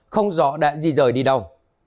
không rõ đã gì rời đi đâu